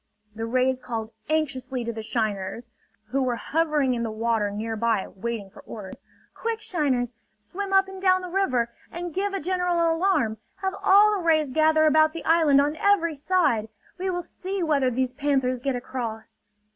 The rays called anxiously to the shiners, who were hovering in the water nearby waiting for orders: "Quick, shiners! Swim up and down the river, and give a general alarm! Have all the rays gather about the island on every side! We will see whether these panthers get across!"